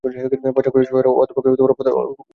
পর্যায়ক্রমে সহকারী অধ্যাপক ও অধ্যাপক পদে উন্নীত হন।